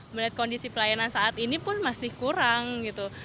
melihat kondisi pelayanan saat ini pun masih kurang gitu